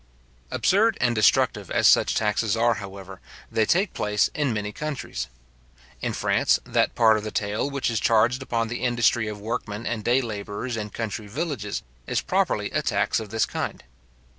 Absurd and destructive as such taxes are, however, they take place in many countries. In France, that part of the taille which is charged upon the industry of workmen and day labourers in country villages, is properly a tax of this kind.